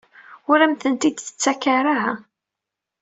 Ur am-ten-id-tettak ara?